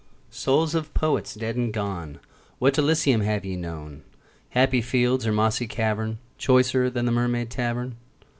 Souls of Poets dead and gone, What Elysium have ye known, Happy field or mossy cavern, Choicer than the Mermaid Tavern?